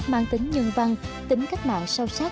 mang tính nhân văn tính cách mạng sâu sắc